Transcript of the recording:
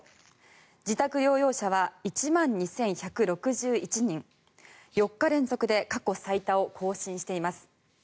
自宅療養者は１万２１６１人４日連続で過去最多を更新しています。